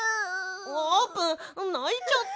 あーぷんないちゃった。